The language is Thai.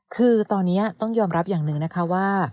คือตอนนี้ต้องยอมรับอย่างหนึ่งนะคะว่า